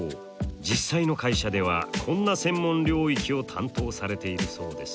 実際の会社ではこんな専門領域を担当されているそうです。